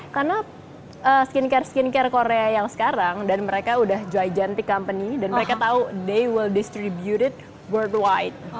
karena skincare skincare korea yang sekarang dan mereka udah jantik company dan mereka tahu they will distribute it worldwide